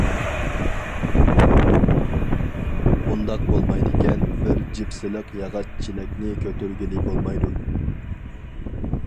ئۇنداق بولمايدىكەن، بىر جىپسىلىق ياغاچ چېلەكنى كۆتۈرگىلى بولمايدۇ.